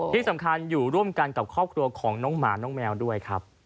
ที่สำคัญอยู่ร่วมกันกับครอบครัวของน้องหมาน้องแมวด้วยครับ